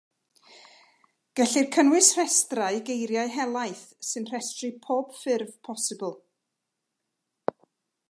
Gellir cynnwys rhestrau geiriau helaeth sy'n rhestru pob ffurf bosibl.